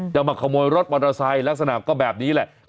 จะมาขโมยรถมอเตอร์ไซค์ลักษณะก็แบบนี้แหละ